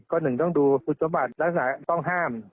ก็หนึ่งต้องดูขุตสมบัติและสิ่งต้องห้าม